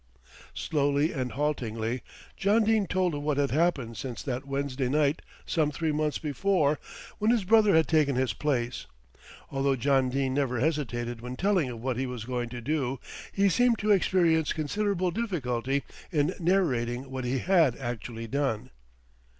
Slowly and haltingly John Dene told of what had happened since that Wednesday night some three months before when his brother had taken his place. Although John Dene never hesitated when telling of what he was going to do, he seemed to experience considerable difficulty in narrating what he had actually done.